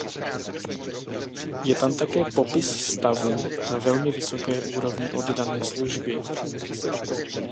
Je tam také popis stavů na velmi vysoké úrovni oddané služby.